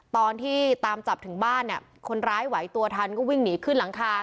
ตอนที่ตามจับถึงบ้านเนี่ยคนร้ายไหวตัวทันก็วิ่งหนีขึ้นหลังคา